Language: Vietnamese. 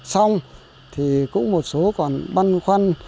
xong thì cũng một số còn băn khoăn